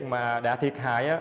mà đã thiệt hại